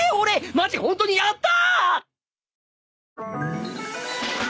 マジホントにやった！